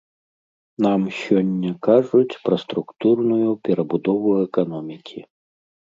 Нам сёння кажуць пра структурную перабудову эканомікі.